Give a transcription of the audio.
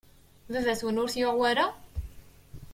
Baba-twen ur t-yuɣ wara?